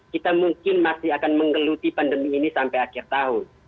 kita mungkin masih akan menggeluti pandemi ini sampai akhir tahun